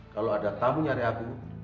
kalau ada tamu nyari aku